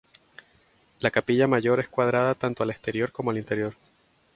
La capilla mayor es cuadrada tanto al exterior como al interior.